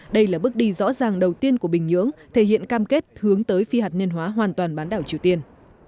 đây là bước đi rõ ràng đầu tiên của bình nhưỡng thể hiện cam kết hướng tới phi hạt nhân hóa hoàn toàn bán đảo triều tiên